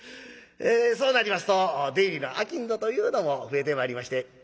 そうなりますと出入りの商人というのも増えてまいりまして。